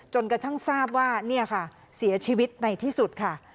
จนกระทั่งทราบว่าเนี่ยค่ะเสียชีวิตในที่สุดค่ะ